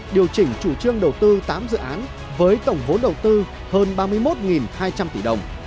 điều chỉnh chủ trương đầu tư tám dự án với tổng vốn đầu tư hơn ba mươi một hai trăm linh tỷ đồng